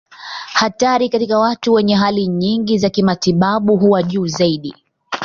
Hatari katika watu wenye hali nyingi za kimatibabu huwa juu zaidi.